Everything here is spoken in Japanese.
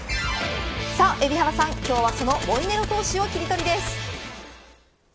海老原さん、今日はそのモイネロ投手をキリトリです。